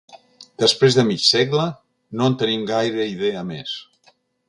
Després de mig segle, no en tenim gaire idea més.